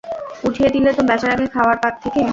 উঠিয়ে দিলে তো বেচেরা কে খাওয়ার পাত থেকে!